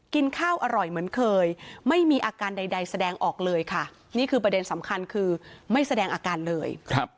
กินข้าวอร่อยเหมือนเคยไม่มีอาการใดแสดงออกเลยค่ะนี่คือประเด็นสำคัญคือไม่แสดงอาการเลย